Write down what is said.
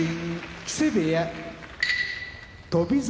木瀬部屋翔猿